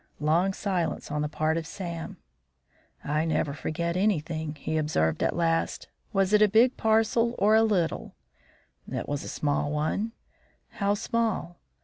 Long silence on the part of Sam. "I never forget anything," he observed at last. "Was it a big parcel or a little?" "It was a small one." "How small?"